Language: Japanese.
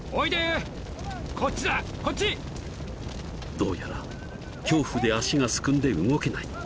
［どうやら恐怖で足がすくんで動けない］